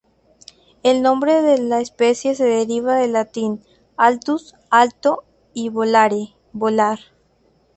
El nombre de la especie se deriva del latín "altus", "alto", y "volare", "volar".